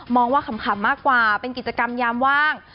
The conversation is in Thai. ว่าขำมากกว่าเป็นกิจกรรมยามว่าง